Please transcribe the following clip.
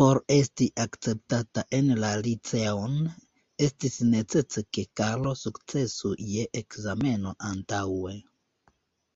Por esti akceptata en la liceon, estis necese ke Karlo sukcesu je ekzameno antaŭe.